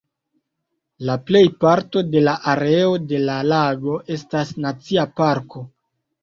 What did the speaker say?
La plejparto de la areo de la lago estas nacia parko.